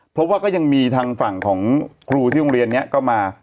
เพราะว่าก็ยังมีทางฝั่งของครูที่โรงเรียนนี้ก็มา